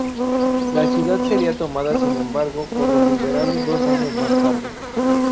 La ciudad sería tomada sin embargo por los liberales dos años más tarde.